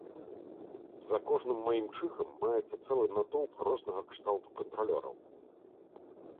За кожным маім чыхам маецца цэлы натоўп рознага кшталту кантралёраў.